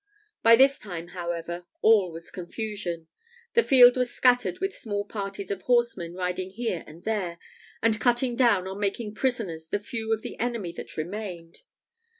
By this time, however, all was confusion. The field was scattered with small parties of horsemen riding here and there, and cutting down or making prisoners the few of the enemy that remained.